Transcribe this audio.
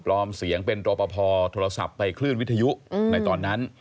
เสียงเป็นรอปภโทรศัพท์ไปคลื่นวิทยุในตอนนั้น